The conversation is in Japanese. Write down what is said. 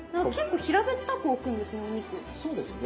そうですね。